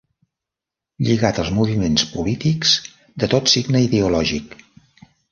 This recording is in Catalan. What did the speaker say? Lligat als moviments polítics de tot signe ideològic.